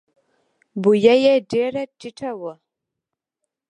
بویه یې ډېره ټیټه وه.